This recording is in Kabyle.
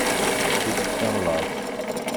tukksa n laẓ